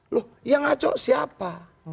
loh ya nggak siapa